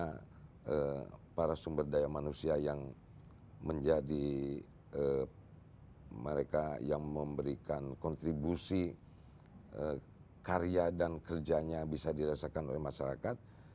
karena para sumber daya manusia yang menjadi mereka yang memberikan kontribusi karya dan kerjanya bisa dirasakan oleh masyarakat